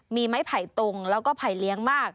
มีไม้ไผ่ตุงแล้วก็ไผ่เลี้ยงมาก